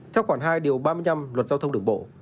theo khoản hai điều ba mươi năm luật giao thông đường bộ